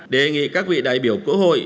đề nghị các vị đại biểu quốc hội